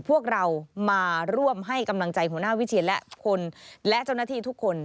พวกเรามาร่วมให้กำลังใจหัวหน้าวิเชียนและคนและเจ้าหน้าที่ทุกคน